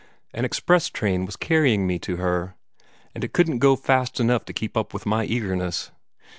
An express train was carrying me to her, and it couldn't go fast enough to keep up with my eagerness.